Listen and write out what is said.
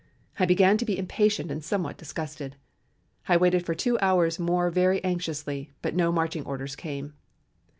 I began to be impatient and somewhat disgusted. I waited for two hours more very anxiously, but no marching orders came.